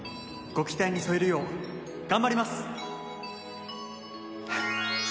ご期待に添えるよう頑張ります。